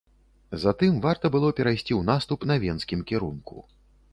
Затым варта было перайсці ў наступ на венскім кірунку.